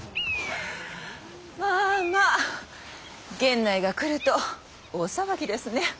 まあまあ源内が来ると大騒ぎですね。